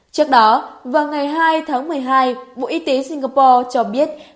trước đó vào ngày hai tháng một mươi hai bộ y tế singapore cho biết